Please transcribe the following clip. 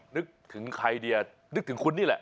นึกถึงใครดีอ่ะนึกถึงคุณนี่แหละ